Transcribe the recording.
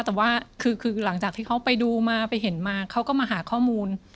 แต่ว่าคือหลังจากที่เขาไปดูมาไปเห็นมาเขาก็มาหาข้อมูล